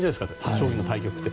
将棋の対局って。